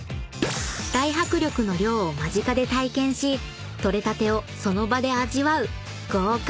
［大迫力の漁を間近で体験し獲れたてをその場で味わう豪快漁師メシ］